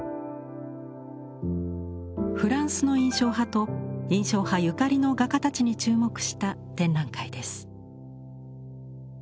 フランスの印象派と印象派ゆかりの画家たちに注目した展覧会です。